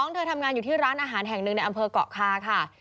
เธอทำงานอยู่ที่ร้านอาหารแห่งหนึ่งในอำเภอกเกาะคาค่ะ